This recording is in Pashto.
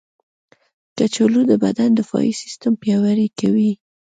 کچالو د بدن دفاعي سیستم پیاوړی کوي.